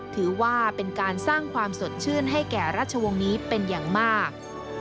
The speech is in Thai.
ถือว่าเป็นการสร้างความสดชื่นให้แก่ราชวงศ์นี้เป็นอย่างมาก